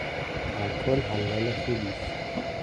الکل حلال خوبی است.